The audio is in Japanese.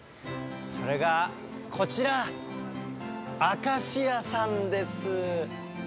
それがこちら、アカシアさんです。